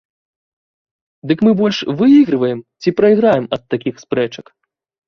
Дык мы больш выігрываем ці прайграем ад такіх спрэчак?